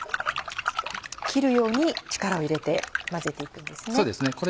切るように力を入れて混ぜて行くんですね。